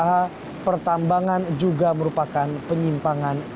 bahwa pertambangan juga merupakan penyimpangan